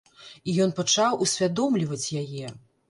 І ён пачаў усвядомліваць яе.